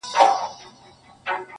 پرون مي غوښي د زړگي خوراك وې.